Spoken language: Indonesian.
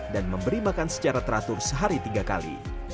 dan memberi makan secara teratur sehari tiga kali